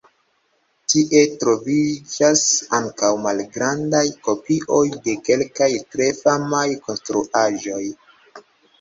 Tie troviĝas ankaŭ malgrandaj kopioj de kelkaj tre famaj konstruaĵoj.